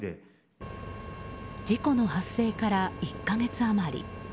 事故の発生から１か月余り。